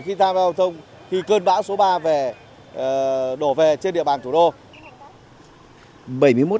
khi tham gia giao thông khi cơn bão số ba về đổ về trên địa bàn thủ đô